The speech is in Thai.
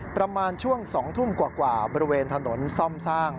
ประมาณช่วง๒ทุ่มกว่าบริเวณถนนซ่อมสร้าง